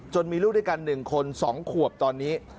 มีลูกด้วยกัน๑คน๒ขวบตอนนี้